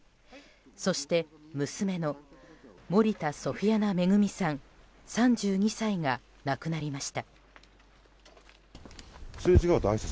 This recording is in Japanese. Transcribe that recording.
そして娘の森田ソフィアナ恵さん、３２歳が亡くなりました。